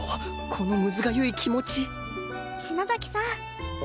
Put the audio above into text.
このむずがゆい気持ち篠崎さん。